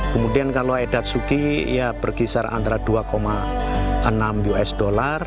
kemudian kalau edatsuki ya berkisar antara rp dua enam usd